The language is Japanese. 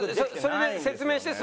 それで説明してそれで。